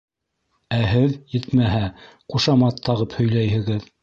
Ә һеҙ, етмәһә, ҡушамат тағып һөйләйһегеҙ.